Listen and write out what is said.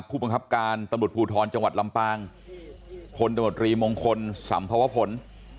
ผู้บังคับการตำรวจภูทรจังหวัดลำปางพลตมตรีมงคลสัมภวผล